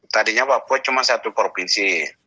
tadinya papua cuma satu provinsi